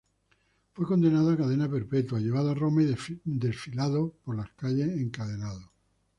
Fue condenado a cadena perpetua, llevado a Roma y desfilado por las calles encadenado.